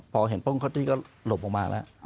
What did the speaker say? พอเห็นพวกเขาที่ก็หลบออกมาแล้ว